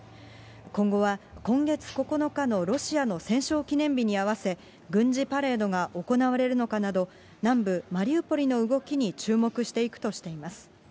今後は、今月９日のロシアの戦勝記念日に合わせ、軍事パレードが行われるのかなど、南部マリウポリの動きに注目していくとしています。